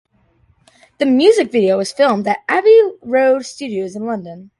The music video was filmed at Abbey Road Studios in London.